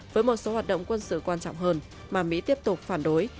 với một số hoạt động quân sự quan trọng hơn mà mỹ tiếp tục phản đối